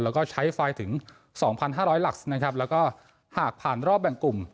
แล้วก็ใช้ไฟถึง๒๕๐๐หลักนะครับแล้วก็หากผ่านรอบแบ่งกลุ่ม